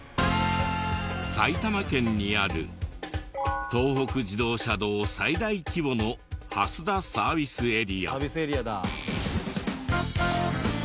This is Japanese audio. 埼玉県にある東北自動車道最大規模のサービスエリアだ。